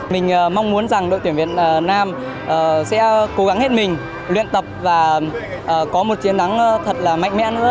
mình mong muốn rằng đội tuyển việt nam sẽ cố gắng hết mình luyện tập và có một chiến thắng thật là mạnh mẽ nữa